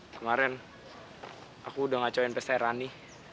kemarin aku udah ngacauin pester rani